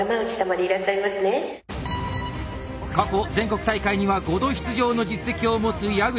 過去全国大会には５度出場の実績を持つ矢口。